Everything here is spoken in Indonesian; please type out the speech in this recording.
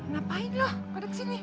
ngapain lo pada kesini